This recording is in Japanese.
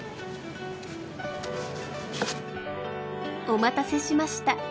お待たせしました。